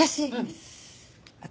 私？